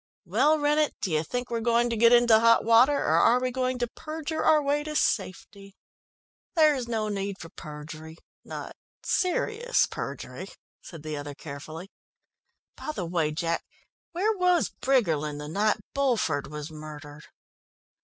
"Well, Rennett, do you think we're going to get into hot water, or are we going to perjure our way to safety?" "There's no need for perjury, not serious perjury," said the other carefully. "By the way, Jack, where was Briggerland the night Bulford was murdered?"